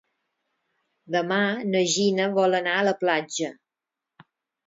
Demà na Gina vol anar a la platja.